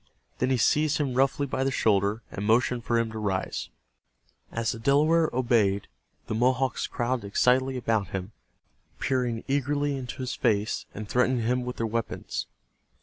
Then he seized him roughly by the shoulder, and motioned for him to rise. As the Delaware obeyed the Mohawks crowded excitedly about him, peering eagerly into his face, and threatening him with their weapons.